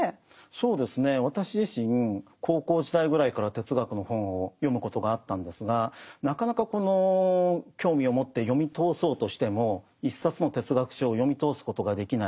そうですね私自身高校時代ぐらいから哲学の本を読むことがあったんですがなかなかこの興味を持って読み通そうとしても一冊の哲学書を読み通すことができない。